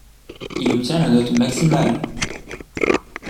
Il obtient la note maximale.